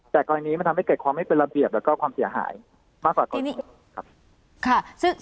แต่กรณีมันทำให้เกิดความไม่เป็นระเบียบแล้วก็ความเสียหายมากกว่าตอนนี้ครับ